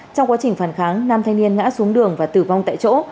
trong quá trình phản kháng năm thanh niên ngã xuống đường và tử vong tại chỗ